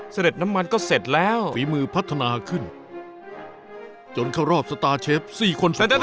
เสด็จน้ำมันก็เสร็จแล้วฝีมือพัฒนาขึ้นจนเข้ารอบสตาร์เชฟสี่คน